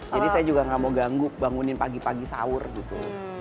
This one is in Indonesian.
jadi saya juga gak mau ganggu bangunin pagi pagi sahur gitu